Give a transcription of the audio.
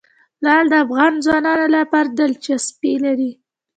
لعل د افغان ځوانانو لپاره دلچسپي لري.